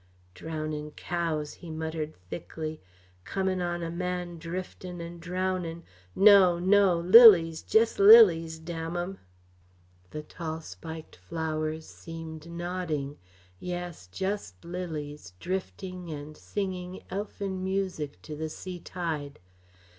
"Drownin' cows" he muttered thickly "comin' on a man driftin' and drownin' no, no! Lilies, jest lilies damn 'em!" The tall spiked flowers seemed nodding yes, just lilies, drifting and singing elfin music to the sea tide.